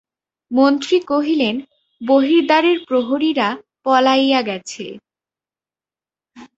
মন্ত্রী কহিলেন, বহির্দ্বারের প্রহরীরা পলাইয়া গেছে।